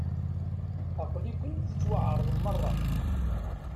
Aql-iken tettwaεreḍem merra.